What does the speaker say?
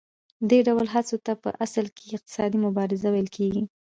دې ډول هڅو ته په اصل کې اقتصادي مبارزه ویل کېږي